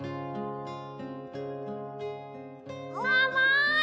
あまい！